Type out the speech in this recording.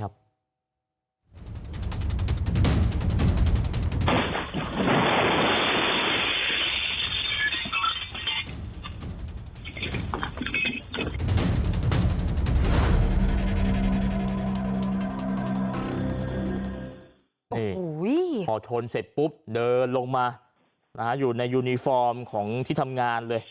นี่พอชนเสร็จปุ๊บเดินลงมาอยู่ในยูนิฟอร์มของที่ทำงานเลย